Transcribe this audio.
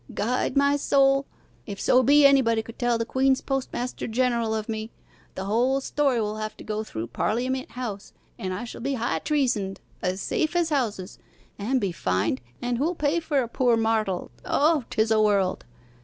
Guide my soul, if so be anybody should tell the Queen's postmaster general of me! The whole story will have to go through Parliament House, and I shall be high treasoned as safe as houses and be fined, and who'll pay for a poor martel! O, 'tis a world!